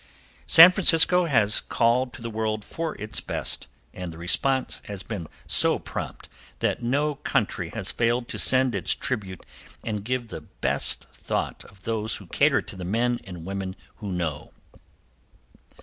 San Francisco has called to the world for its best, and the response has been so prompt that no country has failed to send its tribute and give the best thought of those who cater to the men and women who know.